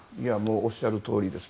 おっしゃるとおりです。